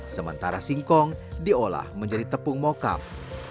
sementara singkong diolah menjadi tepung mocaf